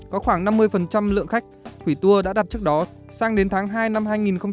có khoảng năm mươi lượng khách hủy tour đã đặt trước đó sang đến tháng hai năm hai nghìn hai mươi